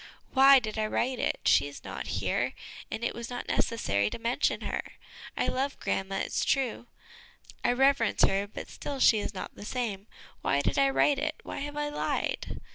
" Why did I write it ? She's not here, and it was not necessary to mention her ; I love grandma, it's true ; I reverence her, but still she is not the same. Why did I write it? Why have I lied?"